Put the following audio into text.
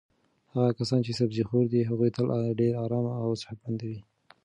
هغه کسان چې سبزي خور دي هغوی تل ډېر ارام او صحتمند وي.